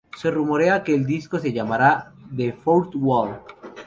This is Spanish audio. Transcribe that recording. Se rumorea que el disco se llamará "The Fourth Wall".